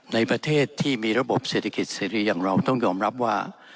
ในประเทศที่มีระบบเศรษฐกิจเสรีอย่างเราต้องยอมรับว่า